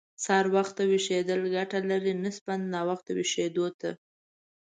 سهار وخته ويښېدل ګټه لري، نسبت ناوخته ويښېدو ته.